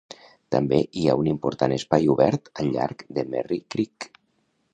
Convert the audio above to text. També hi ha un important espai obert al llarg de Merri Creek.